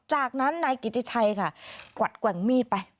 จากนั้นนายกิติชัยค่ะกวัดแกว่งมีดไป